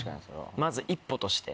まず一歩として。